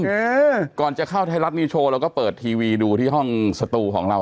เออก่อนจะเข้าไทยรัฐนิวโชว์เราก็เปิดทีวีดูที่ห้องสตูของเรา